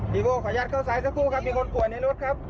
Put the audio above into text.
พี่โบ้ขอยัดเข้าซ้ายสักครู่ครับมีคนป่วยในรถครับ